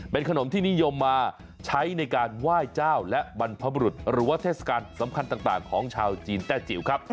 เป็นขนมที่นิยมมาใช้ในการไหว้เจ้าและบรรพบรุษหรือว่าเทศกาลสำคัญต่างของชาวจีนแต้จิ๋วครับ